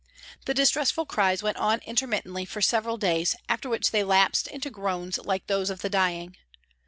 The distressful cries went on intermittently for several days, after which they lapsed into groans like those of the dying.